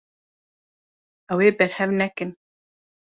Ew ê berhev nekin.